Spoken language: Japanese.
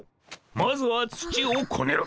まずは土をこねる。